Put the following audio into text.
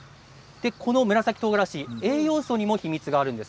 紫とうがらし、栄養素にも秘密があります。